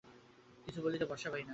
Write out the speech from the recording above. কিছু বলিতে ভরসা পায় না।